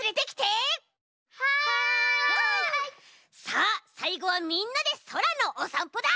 さあさいごはみんなでそらのおさんぽだ。